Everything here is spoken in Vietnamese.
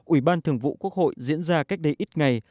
ủy ban thường vụ quốc hội diễn ra cách đây ít ngày